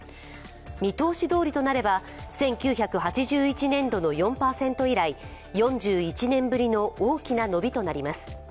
見通しどおりとなれば１９８１年度の４％以来４１年ぶりの大きな伸びとなります。